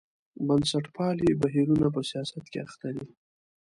بنسټپالي بهیرونه په سیاست کې اخته دي.